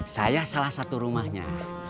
saya salah satu rumahnya